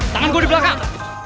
tangan gue di belakang